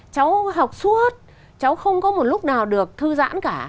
cháu học suốt cháu không có một lúc nào được thư giãn cả